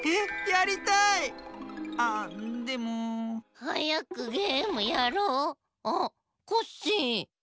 はやくゲームやろう。あっコッシー。